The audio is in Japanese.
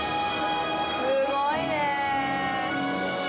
すごいね。